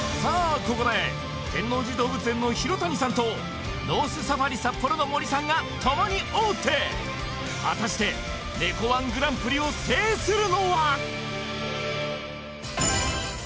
ここで天王寺動物園の廣谷さんとノースサファリサッポロの森さんが共に王手果たしてネコ−１グランプリを制するのは？